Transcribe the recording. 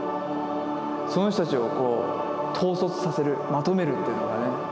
その人たちをこう統率させるまとめるというのがね